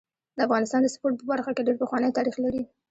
د افغانستان د سپورټ په برخه کي ډير پخوانی تاریخ لري.